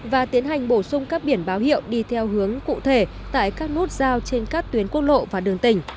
và tiến hành bổ sung các biển báo hiệu đi theo hướng cụ thể tại các nút giao trên các tuyến quốc lộ và đường tỉnh